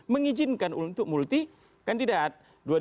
mengijinkan untuk multi kandidat